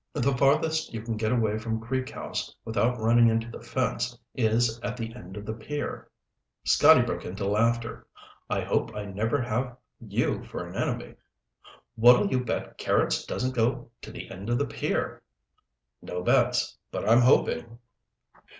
"The farthest you can get away from Creek House, without running into the fence, is at the end of the pier." Scotty broke into laughter. "I hope I never have you for an enemy. What'll you bet Carrots doesn't go to the end of the pier?" "No bets. But I'm hoping."